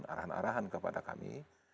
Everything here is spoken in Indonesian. arahan arahan kepada kami